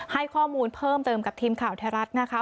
ให้ข้อมูลเพิ่มเติมกับทีมข่าวไทยรัฐนะคะ